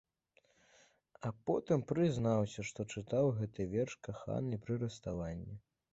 А потым прызнаўся, што чытаў гэты верш каханай пры расставанні.